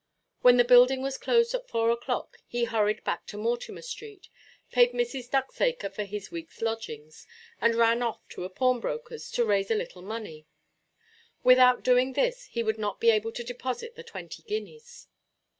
When the building was closed at four oʼclock he hurried back to Mortimer–street, paid Mrs. Ducksacre for his weekʼs lodgings, and ran off to a pawnbrokerʼs to raise a little money. Without doing this, he would not be able to deposit the twenty guineas.